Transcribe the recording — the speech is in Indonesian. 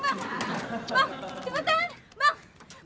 bang cepetan bang